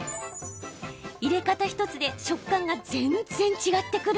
入れ方１つで食感が全然違ってくるんです。